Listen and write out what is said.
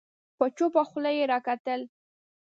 په چوپه خوله يې راکتل